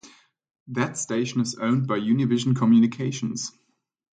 The station is owned by Univision Communications.